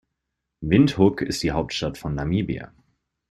Windhoek ist die Hauptstadt von Namibia.